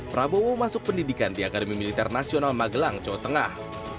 prabowo masuk pendidikan di akademi militer nasional magelang jawa tengah